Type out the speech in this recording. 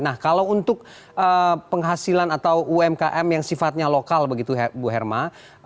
nah kalau untuk penghasilan atau umkm yang sifatnya lokal begitu bu herma